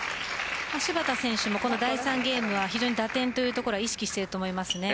芝田選手の第３ゲームは打点というところを意識していると思います。